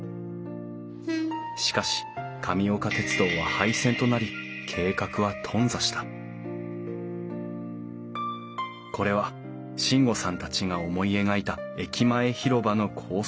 しかし神岡鉄道は廃線となり計画は頓挫したこれは進悟さんたちが思い描いた駅前広場の構想図。